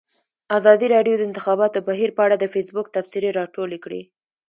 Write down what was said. ازادي راډیو د د انتخاباتو بهیر په اړه د فیسبوک تبصرې راټولې کړي.